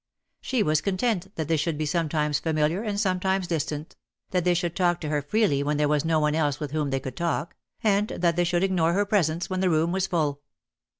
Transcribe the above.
She was content that they should be sometimes familiar and some times distant — that they should talk to her freely when there was no one else with whom they could talk — and that they should ignore her presence when the room was full.